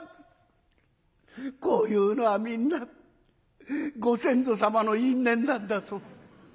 こういうのはみんなご先祖様の因縁なんだそう。